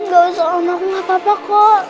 gak usah om aku gak apa apa kok